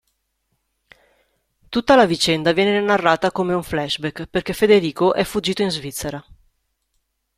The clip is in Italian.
Tutta la vicenda viene narrata come un flashback perché Federico è fuggito in Svizzera.